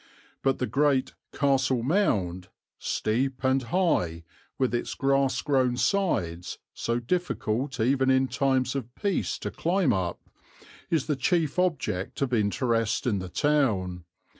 But the great 'Castle Mound,' steep and high, with its grass grown sides, so difficult even in times of peace to climb up, is the chief object of interest in the town.